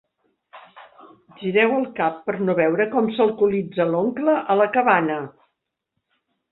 Gireu el cap per no veure com s'alcoholitza l'oncle a la cabana.